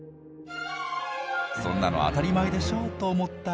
「そんなの当たり前でしょ」と思ったそこのあなた。